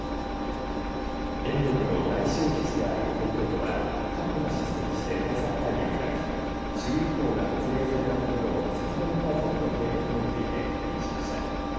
電力の大消費地である東京都は幹部が出席して対策会議を開き注意報が発令されたときの節電対策の計画について確認しました。